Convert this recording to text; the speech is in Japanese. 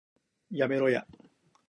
やめろや